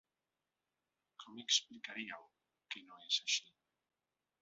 Com explicaríeu que no és així?